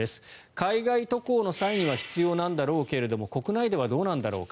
海外渡航の際には必要なんだろうけれども国内ではどうなんだろうか？